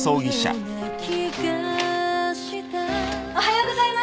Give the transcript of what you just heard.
おはようございます！